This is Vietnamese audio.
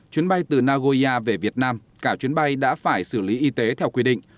chuyến bay từ nagoya về việt nam cả chuyến bay đã phải xử lý y tế theo quy định